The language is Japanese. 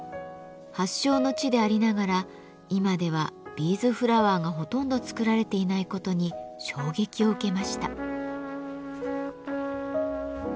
発祥の地でありながら今ではビーズフラワーがほとんど作られていないことに衝撃を受けました。